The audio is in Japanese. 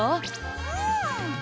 うん！